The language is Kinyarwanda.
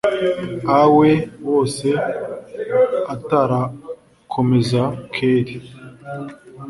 a we wose atarakomeza kelli